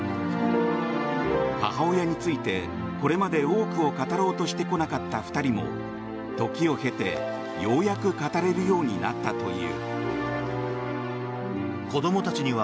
母親について、これまで多くを語ろうとしてこなかった２人も時を経て、ようやく語れるようになったという。